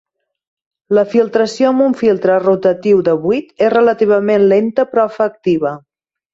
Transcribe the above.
La filtració amb un filtre rotatiu de buit és relativament lenta però efectiva.